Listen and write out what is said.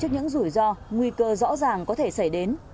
nguy cơ rõ ràng có thể xảy đến